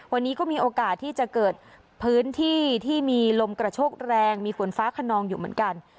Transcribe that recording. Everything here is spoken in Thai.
วันนี้ก็มีโอกาสที่จะเกิดพื้นที่ที่มีลมกระโชกแรงมีฝนฟ้าขนองอยู่เหมือนกัน